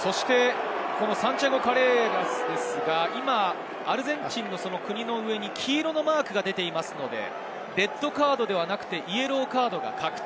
サンティアゴ・カレーラスですが、アルゼンチンの国の上に黄色のマークが出ていますので、レッドカードではなくてイエローカードが確定。